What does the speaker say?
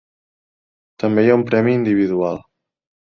També hi ha un premi individual.